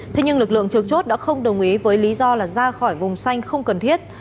thế nhưng lực lượng trường chốt đã không đồng ý với lý do là ra khỏi vùng xanh không cần thiết